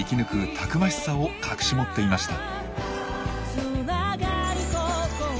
たくましさを隠し持っていました。